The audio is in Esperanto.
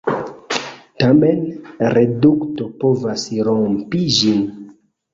Tamen, redukto povas rompi ĝin.